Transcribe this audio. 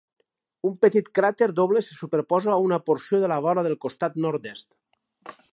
Un petit cràter doble se superposa a una porció de la vora del costat nord-oest.